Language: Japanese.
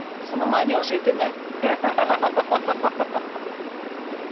その前に教えて。